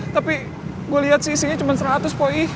tapi gua liat sih isinya cuman seratus poi